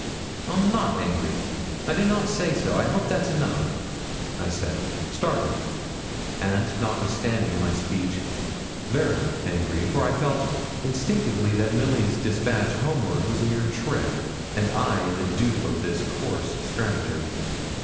'I'm not angry. I did not say so. I hope that's enough,' I said, startled; and, notwithstanding my speech, very angry, for I felt instinctively that Milly's despatch homeward was a mere trick, and I the dupe of this coarse stratagem.